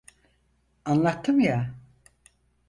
Anlattım ya.